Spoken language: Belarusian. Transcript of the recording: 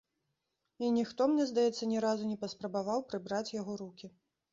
І ніхто, мне здаецца, ні разу не паспрабаваў прыбраць яго рукі.